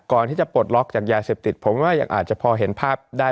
ก่อนที่จะปลดล็อกจากยาเสพติดผมว่ายังอาจจะพอเห็นภาพได้